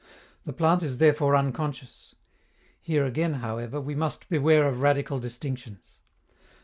The plant is therefore unconscious. Here again, however, we must beware of radical distinctions.